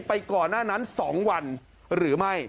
ก่อนหน้านั้น๒วันหรือไม่